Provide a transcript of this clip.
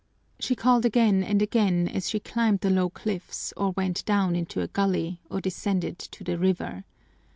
She called again and again as she climbed the low cliffs, or went down into a gully, or descended to the river.